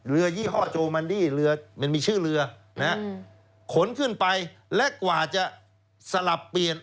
ยี่ห้อโจมันดี้เรือมันมีชื่อเรือนะฮะขนขึ้นไปและกว่าจะสลับเปลี่ยน